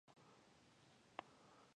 سترګې یې زما په مخ کې ښخې کړې.